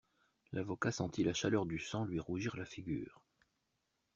L'avocat sentit la chaleur du sang lui rougir la figure.